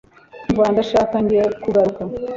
umva ndashaka njye kugaruka